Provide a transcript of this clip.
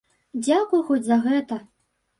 Дзякуй хоць за гэта.